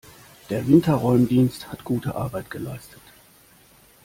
Der Winterräumdienst hat gute Arbeit geleistet.